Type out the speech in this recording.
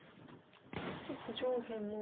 ちょっと上辺も。